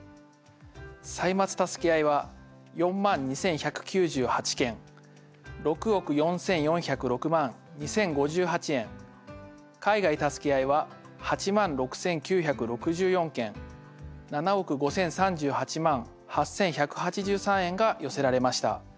「歳末たすけあい」は４万２１９８件６億４４０６万２０５８円「海外たすけあい」は８万６９６４件７億５０３８万８１８３円が寄せられました。